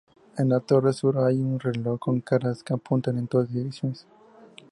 En la torre sur hay un reloj con caras que apuntan en todas direcciones.